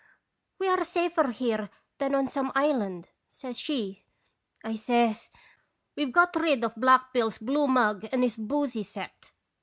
"' We are safer here than on some island,' says she. "1 says: 'We've got rid of Black Bill's blue mug and his boosy set.'